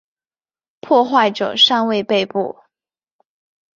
破坏者尚未被捕。